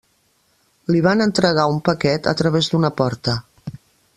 Li van entregar un paquet a través d'una porta.